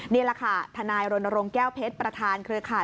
นี่แหละค่ะทนายรณรงค์แก้วเพชรประธานเครือข่าย